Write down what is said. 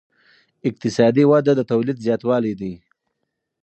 اقتصادي وده د تولید زیاتوالی دی.